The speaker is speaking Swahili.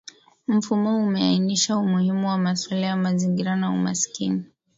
Mfumo umeainisha umuhimu wa masuala ya mazingira na umaskini